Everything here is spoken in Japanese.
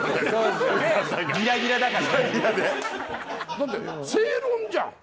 だって正論じゃん。